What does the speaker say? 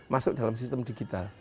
masuk dalam sistem digital